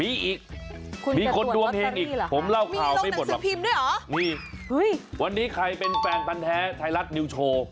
มีมีอีกมีคนดวงเพลงอีกผมเล่าข่าวไม่หมดหรอกนี่วันนี้ใครเป็นแฟนตันแท้ไทยรัฐนิวโชว์